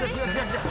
違う？